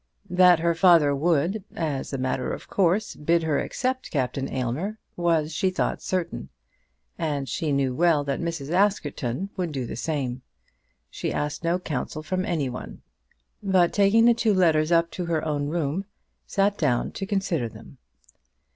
That her father would, as a matter of course, bid her accept Captain Aylmer, was, she thought, certain; and she knew well that Mrs. Askerton would do the same. She asked no counsel from any one, but taking the two letters up to her own room, sat down to consider them.